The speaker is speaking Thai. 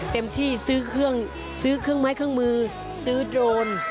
เต็มที่ซื้อเครื่องซื้อเครื่องไม้เครื่องมือซื้อโดรน